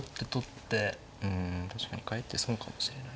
うん確かにかえって損かもしれない。